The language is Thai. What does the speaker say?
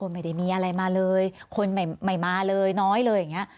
ไม่ได้มีอะไรมาเลยคนไม่มาเลยน้อยเลยอย่างนี้